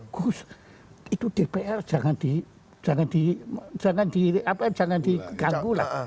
gus itu dpr jangan diganggu lah